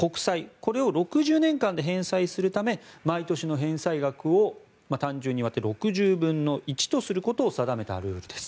これを６０年間で返済するため毎年の返済額を単純に割って６０分の１とすることを定めたルールです。